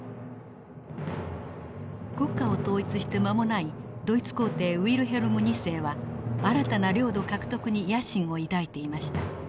国家を統一して間もないドイツ皇帝ウィルヘルム２世は新たな領土獲得に野心を抱いていました。